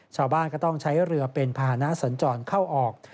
ชาวบ้านก็ต้องใช้เรือเป็นภาษณะสัญจรเข้าออก